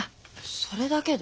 それだけで？